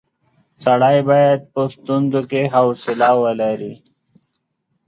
سړی باید په ستونزو کې حوصله ولري.